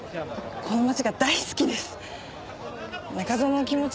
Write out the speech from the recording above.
この町が大好きです。